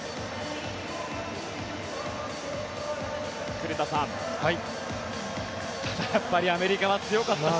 古田さん、ただやっぱりアメリカは強かったです。